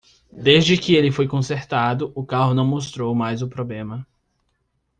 Desde que foi consertado, o carro não mostrou mais o problema.